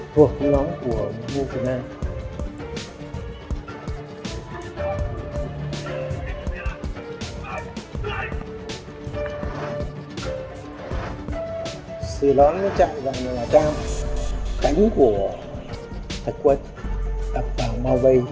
băng nhóm của cư bà tâm